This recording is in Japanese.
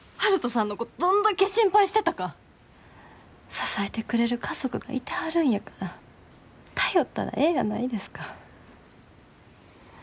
支えてくれる家族がいてはるんやから頼ったらええやないですか。